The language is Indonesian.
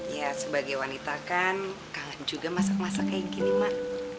ya sebagai wanita kan kangen juga masak masak kayak gini mak